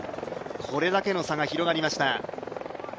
これだけの差が広がりました。